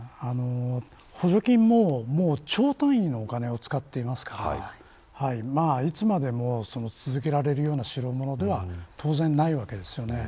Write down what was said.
補助金は兆単位のお金を使ってますからいつまでも続けられるような代物では当然ないわけですよね。